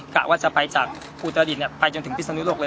ก็ไล่มาเลยกะว่าจะไปจากอุตดิตเนี่ยไปจนถึงพิษนุโลกเลย